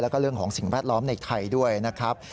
แล้วก็เรื่องของสิ่งแวดล้อมในไทยด้วยนะครับ